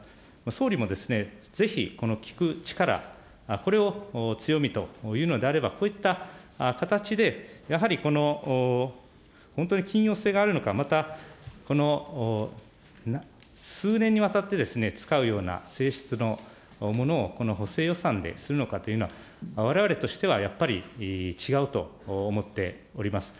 総理もぜひ、この聞く力、これを強みというのであれば、こういった形でやはりこの本当に緊要性があるのか、また、この数年にわたって使うような性質のものをこの補正予算でするのかというのは、われわれとしてはやっぱり違うと思っております。